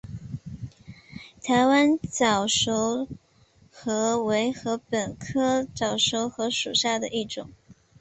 台湾早熟禾为禾本科早熟禾属下的一个种。